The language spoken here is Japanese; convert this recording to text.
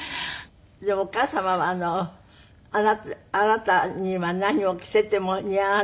でもお母様はあなたには何を着せても似合わないって。